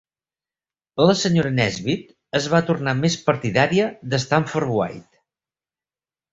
La senyora Nesbit es va tornar més partidària de Stanford White.